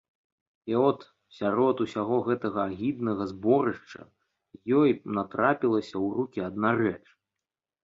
І от, сярод усяго гэтага агіднага зборышча, ёй натрапілася ў рукі адна рэч.